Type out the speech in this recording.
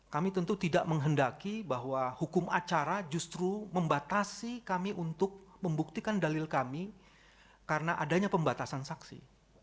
kami tentu tidak menghendaki bahwa hukum acara justru membatasi kami untuk membuktikan dalil kami karena adanya pembatasan saksi